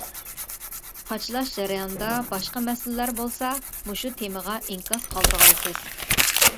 قاچىلاش جەريانىدا باشقا مەسىلىلەر بولسا مۇشۇ تېمىغا ئىنكاس قالدۇرغايسىز.